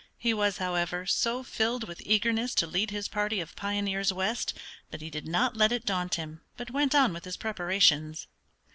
He was, however, so filled with eagerness to lead his party of pioneers west that he did not let it daunt him, but went on with his preparations.